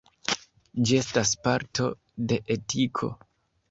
Ĝi estas parto de etiko.